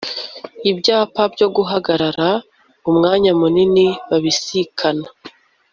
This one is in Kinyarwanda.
Ibyapa cyo guhagarara umwanya munini babisikana